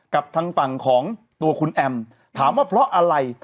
กับทางฝั่งของตัวคุณแอมถามว่าเพราะอะไร